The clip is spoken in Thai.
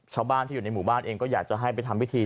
ชาวบ้านที่อยู่ในหมู่บ้านเองก็อยากจะให้ไปทำพิธี